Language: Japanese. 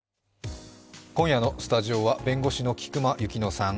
今夜のスタジオは弁護士の菊間千乃さん。